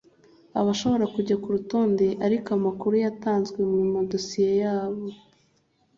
Abashobora kujya ku rutonde ariko amakuru yatanzwe mu madosiye yabo